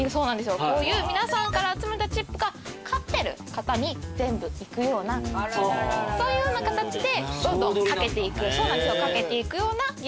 こういう皆さんから集めたチップが勝ってる方に全部行くようなそういうような形でどんどん賭けていくようなゲームになってます。